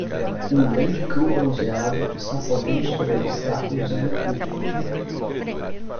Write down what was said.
Um grande cão bronzeado está saltando sobre obstáculos em um curso.